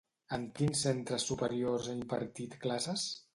En quins centres superiors ha impartit classes?